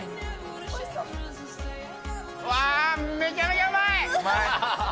うわー、めちゃめちゃうまい！